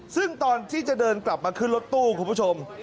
ซึ่งตอนที่จะเดินกลับมาขึ้นรถตู้คุณผู้ชม